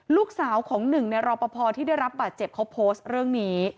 ลูกสาวของหนึ่งในรอปภที่ได้รับบาดเจ็บเขาโพสต์เรื่องนี้